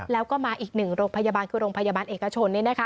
แล้วก็มาอีก๑โรงพยาบาลคือโรงพยาบาลเอกชน